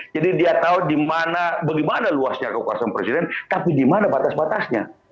jadi dia tahu di mana bagaimana luasnya kekuasaan presiden tapi di mana batas batasnya